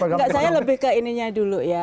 enggak saya lebih ke ininya dulu ya